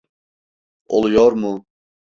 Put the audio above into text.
Oluyor mu?